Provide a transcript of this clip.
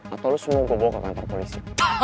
atau lu semua gue bawa ke kantor polisi